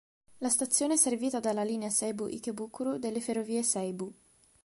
La stazione è servita dalla linea Seibu Ikebukuro delle Ferrovie Seibu.